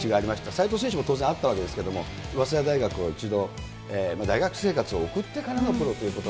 斎藤選手も当然あったわけですけれども、早稲田大学を一度、大学生活を送ってからのプロということ。